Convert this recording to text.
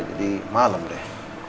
jadi malem deh